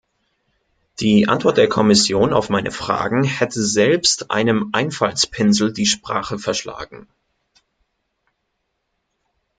Die Antwort der Kommission auf meine Fragen hätte selbst einem Einfaltspinsel die Sprache verschlagen.